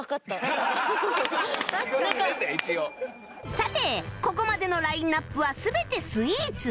さてここまでのラインアップは全てスイーツ